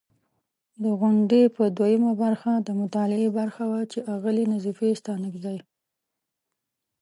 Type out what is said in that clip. د غونډې په دوهمه برخه، د مطالعې برخه وه چې اغلې نظیفې ستانکزۍ